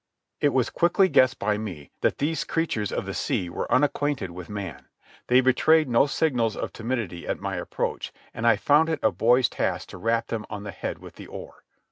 It was quickly guessed by me that these creatures of the sea were unacquainted with man. They betrayed no signals of timidity at my approach, and I found it a boy's task to rap them on the head with the oar.